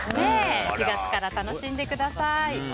４月から楽しんでください。